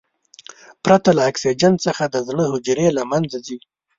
پرته له اکسیجن څخه د زړه حجرې له منځه ځي.